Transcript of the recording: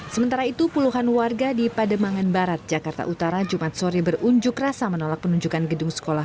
sementara itu puluhan warga di pademangan barat jakarta utara jumat sore berunjuk rasa menolak penunjukan gedung sekolah